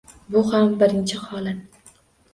Bu ham birinchi holat